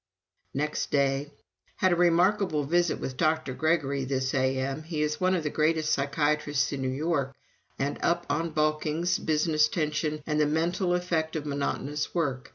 Next day: "Had a remarkable visit with Dr. Gregory this A.M. He is one of the greatest psychiatrists in New York and up on balkings, business tension, and the mental effect of monotonous work.